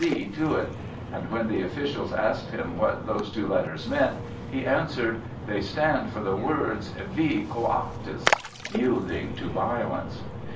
C. to it; and when the officials asked him what those two letters meant, he answered, "They stand for the words 'Vi coactus'" (yielding to violence).